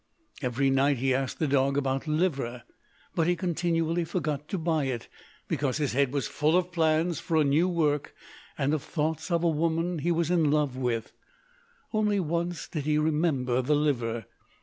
Every night he asked the dog about liver, but he continually forgot to buy it, because his head was full of plans for a new work, and of thoughts of a woman he was in love with. Only once did he remember the liver.